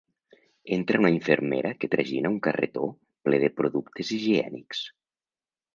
Entra una infermera que tragina un carretó ple de productes higiènics.